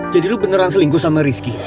jadi lo beneran selingkuh sama rizky